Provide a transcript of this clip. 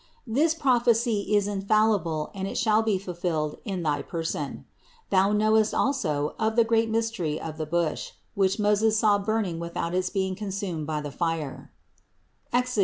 This prophecy is infallible and it shall be fulfilled in thy per 108 CITY OF GOD SOIL Thou knowest also of the great mystery of the bush, which Moses saw burning without its being con sumed by the fire (Exod.